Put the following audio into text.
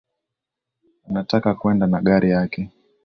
Nataka kuenda na gari yake